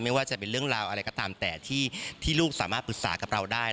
ไม่ว่าจะเป็นเรื่องราวอะไรก็ตามแต่ที่ลูกสามารถปรึกษากับเราได้